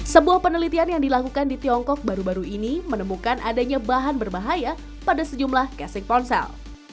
sebuah penelitian yang dilakukan di tiongkok baru baru ini menemukan adanya bahan berbahaya pada sejumlah casing ponsel